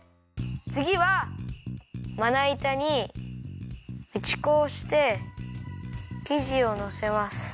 つぎはまないたにうち粉をしてきじをのせます。